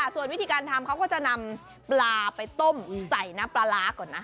ส่วนวิธีการทำเขาก็จะนำปลาไปต้มใส่น้ำปลาร้าก่อนนะ